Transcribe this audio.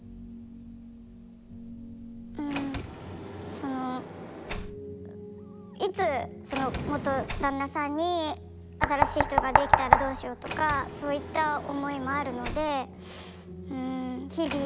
そのいつその元旦那さんに新しい人ができたらどうしようとかそういった思いもあるのでうん日々怖いといいますか。